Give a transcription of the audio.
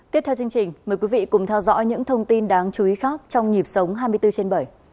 tiếp theo chương trình mời quý vị cùng theo dõi những thông tin đáng chú ý khác trong nhịp sống hai mươi bốn trên bảy